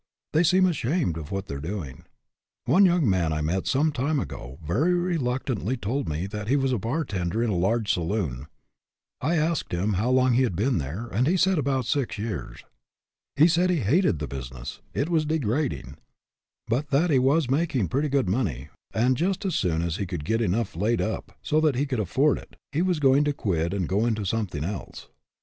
They seem ashamed of what they are doing. One young man I met some time ago very reluct antly told me that he was a bartender in a large saloon. I asked him how long he had been there, and he said about six years. He said he hated the business; it was degrading; but that he was making pretty good money, and just as soon as he could get enough laid up, so that he could afford it, he was going to quit and go into something else.